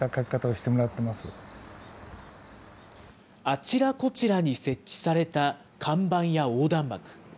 あちらこちらに設置された看板や横断幕。